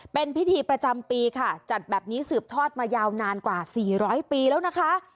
เป็นพิธีประจำปีค่ะจัดแบบนี้สืบทอดมายาวนานกว่า๔๐๐ปีแล้วนะคะ